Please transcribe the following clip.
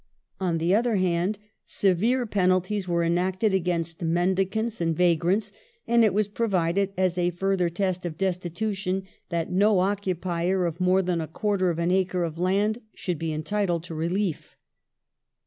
On the other hand severe penalties were enacted against mendicants and vagrants, and it was provided — as a further test of destitution — that no occupier of more than a quarter of an acre of land should be entitled to relief.